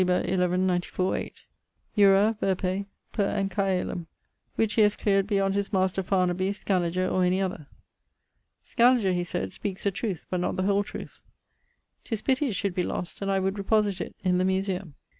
, jura, verpe, per Anchialum, which he haz cleared beyond his master Farnaby, Scaliger, or any other. 'Scaliger,' he sayd, 'speakes the truth, but not the whole truth.' 'Tis pity it should be lost, and I would reposit it in the Museum.